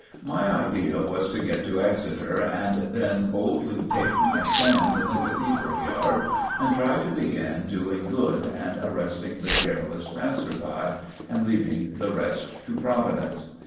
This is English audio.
My idea was to get to Exeter and then boldly take my stand in the cathedral yard and try to begin doing good and arresting the careless passer by, and leaving the rest to Providence.